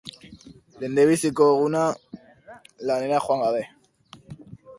Lehenbiziko eguna lanera joan gabe.